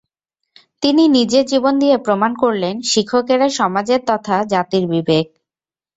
তিনি নিজের জীবন দিয়ে প্রমাণ করলেন, শিক্ষকেরা সমাজের তথা জাতির বিবেক।